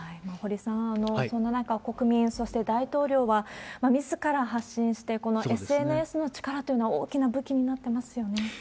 堀さん、そんな中、国民、そして大統領はみずから発信して、このＳＮＳの力というのは大きな武器になってますよね。